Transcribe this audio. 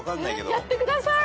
やってください！